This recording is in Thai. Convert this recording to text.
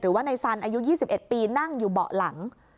ว่าในสันอายุ๒๑ปีนั่งอยู่เบาะหลัง